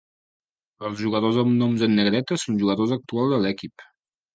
Els jugadors amb noms en negreta són jugadors actuals de l'equip.